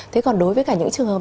thế còn đối với cả những trường hợp